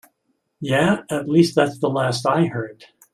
Yeah, at least that's the last I heard.